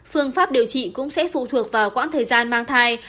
phương pháp điều trị cũng sẽ phụ thuộc vào quãng thời gian mang thai